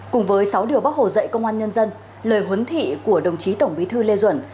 cùng với sáu điều bác hồ dạy công an nhân dân lời huấn thị của đồng chí tổng bí thư lê duẩn